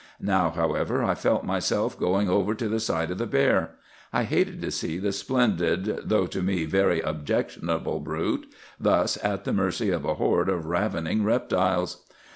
Now, however, I felt myself going over to the side of the bear. I hated to see the splendid, though to me very objectionable, brute thus at the mercy of a horde of ravening reptiles.